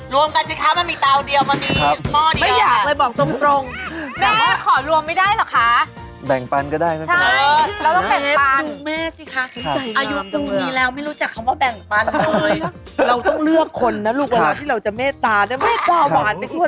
รวมกันจริงครับมันมีเตาเดียวมันมีหม้อเดียว